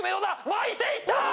巻いていったよ！